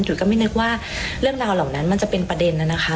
ก็ไม่นึกว่าเรื่องราวเหล่านั้นมันจะเป็นประเด็นน่ะนะคะ